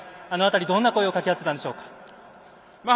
あの辺り、どんな声をかけ合っていたんでしょうか。